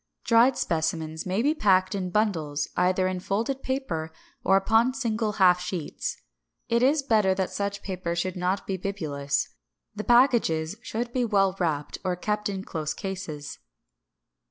565. Dried specimens may be packed in bundles, either in folded paper or upon single half sheets. It is better that such paper should not be bibulous. The packages should be well wrapped or kept in close cases.